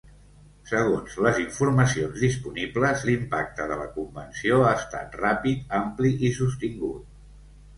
Segons les informacions disponibles, l'impacte de la Convenció ha estat ràpid, ampli i sostingut.